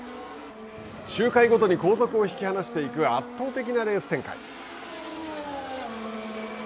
周回ごとに後続を引き離していく圧倒的なレース展開。